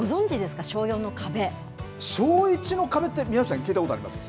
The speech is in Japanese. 小１の壁って、宮内さん、聞いたことあります？